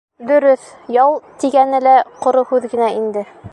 Дөрөҫ, ял тигәне лә ҡоро һүҙ генә инде.